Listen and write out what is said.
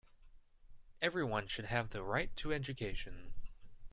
Everyone should have the right to education.